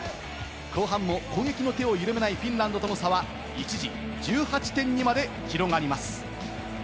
後半も攻撃の手を緩めないフィンランドとの差は一時、１８点にまで広がります。